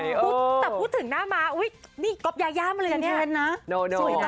แต่พูดถึงหน้าม้าอุ๊ยนี่ก๊อปยาย่ามาเลยนะเนี่ย